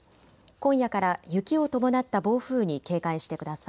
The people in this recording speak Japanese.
今夜から雪を伴った暴風に警戒してください。